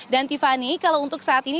dan tiffany kalau untuk saat ini